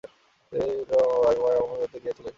এক রমাবাঈ অস্মদ্দেশ হইতে গিয়াছিলেন।